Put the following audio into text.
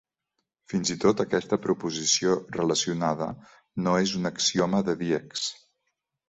Fins-i-tot aquesta proposició relacionada no és un axioma de Dieks.